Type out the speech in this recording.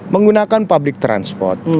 menggunakan public transport